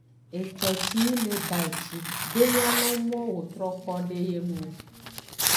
Eco ci yi le baji de nyano mo wo troko do eye nu.